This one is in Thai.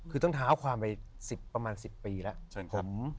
คือต้องเท้าความไป๑๐ประมาณ๑๐ปีแล้ว